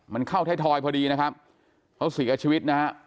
มันเข้าไทยทอยพอดีนะครับเขาเสียชีวิตนะฮะ